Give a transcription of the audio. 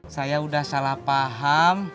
saya udah salah paham